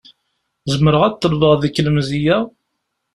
Zemreɣ ad ḍelbeɣ deg-k lemzeyya?